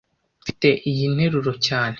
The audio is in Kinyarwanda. Nfite iyi nteruro cyane